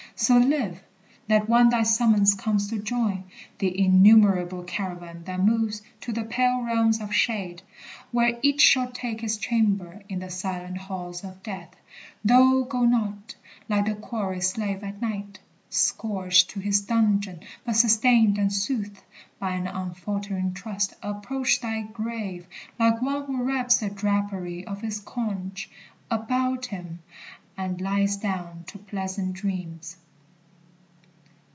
So live, that when thy summons comes to join The innumerable caravan that moves To the pale realms of shade, where each shall take His chamber in the silent halls of death, Thou go not, like the quarry slave at night, Scourged to his dungeon, but sustained and soothed By an unfaltering trust, approach thy grave Like one who wraps the drappery of his conch About him, and lies down to pleasant dreams.